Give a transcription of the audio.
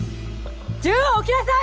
銃を置きなさい！